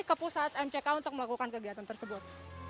ke pusat mck untuk melakukan kegiatan tersebut